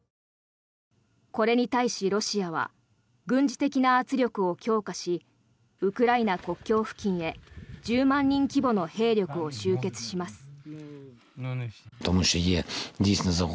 これに対しロシアは軍事的な圧力を強化しウクライナ国境付近へ１０万人規模の兵力を集結します。